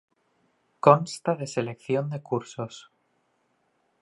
Consta de selección de cursos.